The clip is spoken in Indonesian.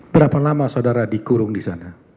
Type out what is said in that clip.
berapa lama saudara dikurung disana